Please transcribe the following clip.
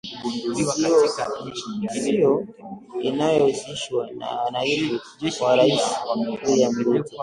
sio inayohusishwa na naib wa rais William Ruto